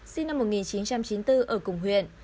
sinh năm một nghìn chín trăm chín mươi bốn ở cùng huyện